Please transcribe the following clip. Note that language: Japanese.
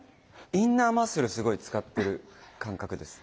インナーマッスルすごい使ってる感覚です。